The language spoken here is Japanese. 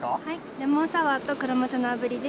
レモンサワーとクロムツのあぶりです。